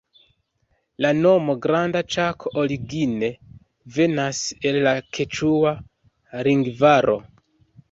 La nomo Granda Ĉako origine venas el la keĉua lingvaro.